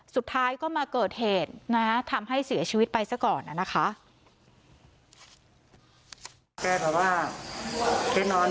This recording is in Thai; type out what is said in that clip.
สุดท้ายก็มาเกิดเหตุนะทำให้เสียชีวิตไปซะก่อนนะคะ